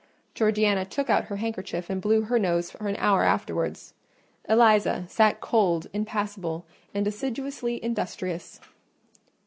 Georgiana took out her handkerchief and blew her nose for an hour afterwards; Eliza sat cold, impassable, and assiduously industrious.